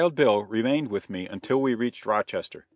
] Wild Bill remained with me until we reached Rochester.